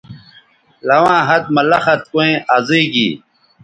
لواں ہَت مہ لخت کویں ازئ گی